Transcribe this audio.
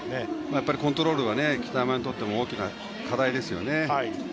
やっぱりコントロールは北山にとっても課題ですよね。